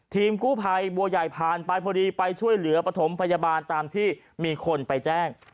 ทีมกู้ภัยบัวใหญ่ผ่านไปพอดีไปช่วยเหลือปฐมพยาบาลตามที่มีคนไปแจ้ง